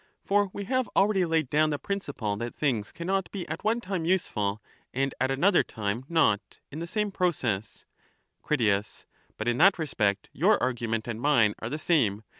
For we have already laid down the principle that things cannot be at one time useful and at another time not, in the same proce Crit. But in that respect your argument and mine are the me.